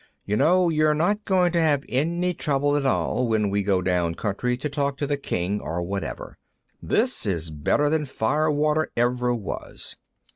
You know, you're not going to have any trouble at all, when we go down country to talk to the king or whatever. This is better than fire water ever was."